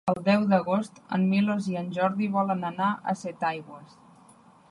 El deu d'agost en Milos i en Jordi volen anar a Setaigües.